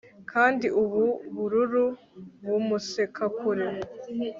Kandi ubu bururu bumuseka kure